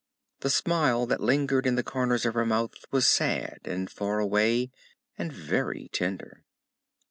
The smile that lingered in the corners of her mouth was sad and far away, and very tender.